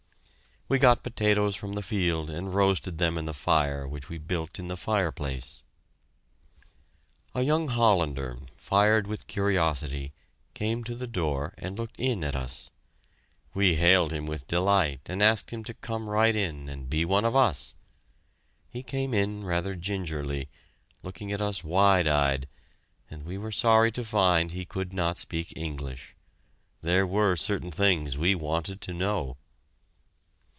We got potatoes from the field and roasted them in the fire which we built in the fireplace. A young Hollander, fired with curiosity, came to the door and looked in at us. We hailed him with delight and asked him to come right in, and be one of us! He came in rather gingerly, looking at us wide eyed, and we were sorry to find he could not speak English. There were certain things we wanted to know!